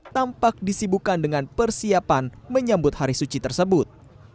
tampak disibukan dengan persiapan menyambut hari suci tersebut